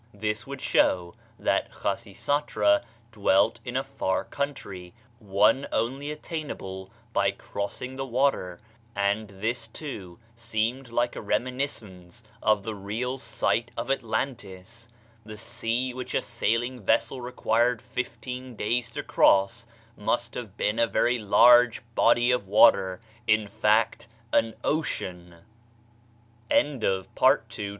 This would show that Khasisatra dwelt in a far country, one only attainable by crossing the water; and this, too, seems like a reminiscence of the real site of Atlantis. The sea which a sailing vessel required fifteen days to cross must have been a very large body of water; in fact, an ocean. CHAPTER IV. THE DELUGE LEGENDS OF OTHER NATIONS.